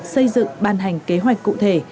xây dựng ban hành kế hoạch cụ thể